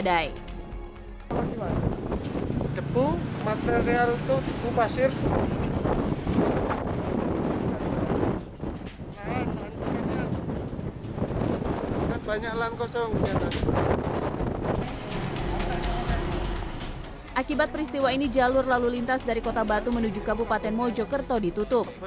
akibat peristiwa ini jalur lalu lintas dari kota batu menuju kabupaten mojokerto ditutup